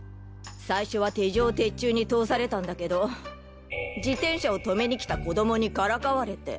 最初は手錠を鉄柱に通されたんだけど自転車を停めにきた子供にからかわれて。